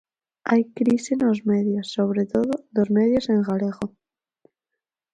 Hai crise nos medios, sobre todos dos medios en galego.